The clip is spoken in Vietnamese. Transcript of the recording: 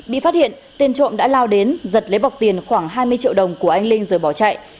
bị phát hiện tên trộm đã lao đến giật lấy bọc tiền khoảng hai mươi triệu đồng của anh linh rồi bỏ chạy